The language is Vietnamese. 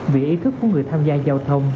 vì ý thức của người tham gia giao thông